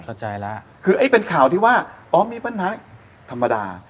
เข้าใจแล้วคือไอ้เป็นข่าวที่ว่าอ๋อมีปัญหาธรรมดา